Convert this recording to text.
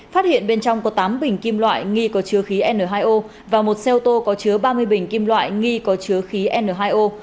phát hiện bên trong có tám bình kim loại nghi có chứa khí n hai o và một xe ô tô có chứa ba mươi bình kim loại nghi có chứa khí n hai o